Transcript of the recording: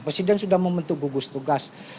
presiden sudah membentuk gugus tugas